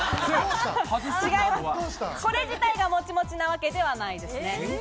これ自体がモチモチなわけではないですね。